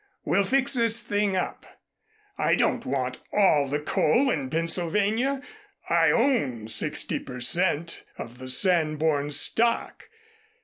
We'll fix this thing up. I don't want all the coal in Pennsylvania. I own sixty per cent. of the Sanborn stock.